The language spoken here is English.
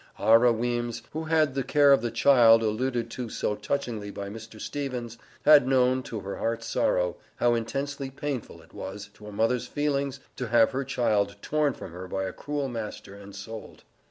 Arrah Weems, who had the care of the child, alluded to so touchingly by Mr. Stevens, had known, to her heart's sorrow, how intensely painful it was to a mother's feelings to have her children torn from her by a cruel master and sold.